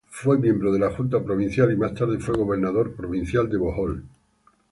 Fue miembro de la Junta Provincial, y más tarde fue gobernador provincial de Bohol.